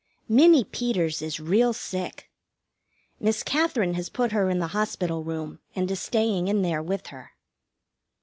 Minnie Peters is real sick. Miss Katherine has put her in the hospital room, and is staying in there with her.